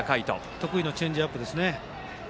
得意のチェンジアップです。